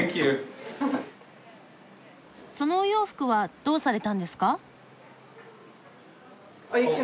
そのお洋服はどうされたんですか？